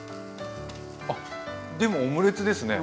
あでもオムレツですね。